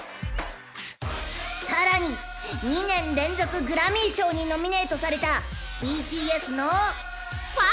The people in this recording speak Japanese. ［さらに２年連続グラミー賞にノミネートされた］